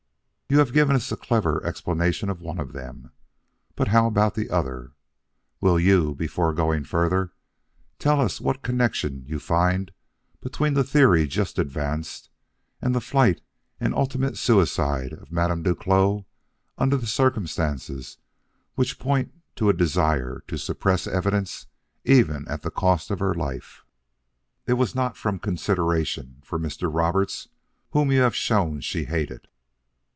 You have given us a clever explanation of one of them, but how about the other? Will you, before going further, tell us what connection you find between the theory just advanced and the flight and ultimate suicide of Madame Duclos under circumstances which point to a desire to suppress evidence even at the cost of her life? It was not from consideration for Mr. Roberts, whom you have shown she hated.